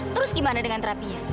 terus gimana dengan terapinya